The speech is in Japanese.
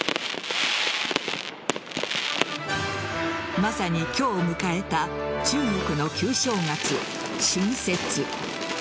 まさに今日迎えた中国の旧正月＝春節。